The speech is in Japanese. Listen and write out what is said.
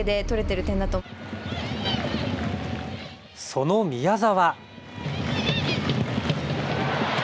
その宮澤。